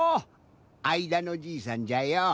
あいだのじいさんじゃよ。